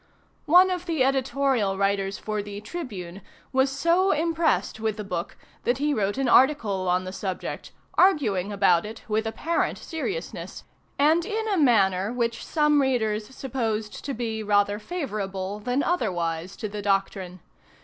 One of the editorial writers for the "Tribune" was so impressed with the book that he wrote an article on the subject, arguing about it with apparent seriousness, and in a manner with some readers supposed to be rather favorable than otherwise to the doctrine.